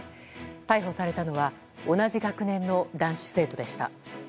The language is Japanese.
逮捕されたのは同じ学年の男子生徒でした。